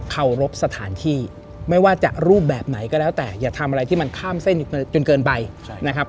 รบสถานที่ไม่ว่าจะรูปแบบไหนก็แล้วแต่อย่าทำอะไรที่มันข้ามเส้นจนเกินไปนะครับ